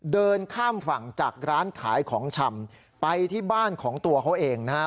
เดินข้ามฝั่งจากร้านขายของชำไปที่บ้านของตัวเขาเองนะฮะ